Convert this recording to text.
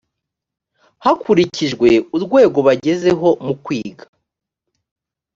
hakurikijwe urwego bagezeho mu kwiga